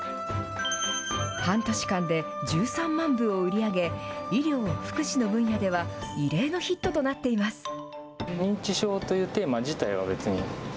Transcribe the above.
半年間で１３万部を売り上げ、医療・福祉の分野では異例のヒットとなっています。